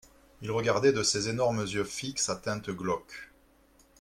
Il regardait de ses énormes yeux fixes à teintes glauques.